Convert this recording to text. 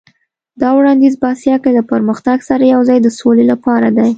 دا وړاندیز په اسیا کې له پرمختګ سره یو ځای د سولې لپاره دی.